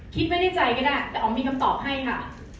คิดไม่ได้ใจก็ได้แต่เอามีคำตอบให้ค่ะ